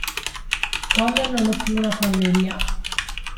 Come non ho più una famiglia.